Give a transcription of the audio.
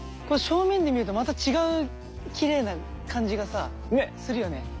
これ正面で見るとまた違うきれいな感じがさするよね。